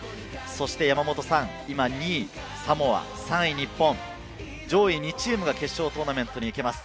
そして今は２位・サモア、３位・日本、上位２チームが決勝トーナメントに行けます。